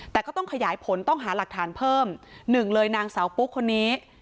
แต่ก็ต้องขยายผลต้องหาหลักฐานเพิ่มหนึ่งเลยนางสาวปุ๊กคนนี้